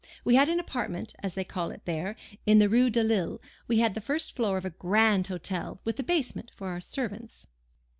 We had an apartment, as they call it there, in the Rue de Lille; we had the first floor of a grand hotel, with the basement for our servants.